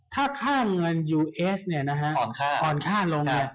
ถ้าค่าเงินยูเอสเนี่ยนะฮะอ่อนค่าลงเนี่ย